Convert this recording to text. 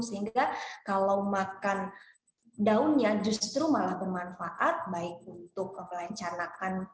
sehingga kalau makan daunnya justru malah bermanfaat baik untuk melencanakan